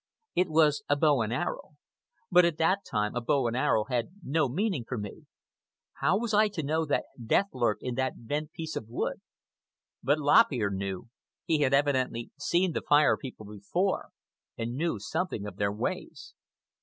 It was a bow and arrow. But at that time a bow and arrow had no meaning for me. How was I to know that death lurked in that bent piece of wood? But Lop Ear knew. He had evidently seen the Fire People before and knew something of their ways.